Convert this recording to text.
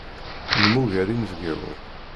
Nemmuger inebgawen.